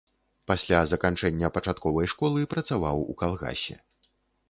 Пасля заканчэння пачатковай школы працаваў у калгасе.